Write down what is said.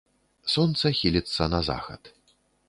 Сонца хіліцца на захад.